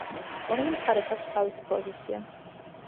ორივე მხარეს აქვს თავისი პოზიცია.